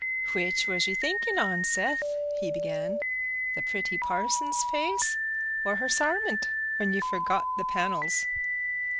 "Which was ye thinkin' on, Seth," he began—"the pretty parson's face or her sarmunt, when ye forgot the panels?"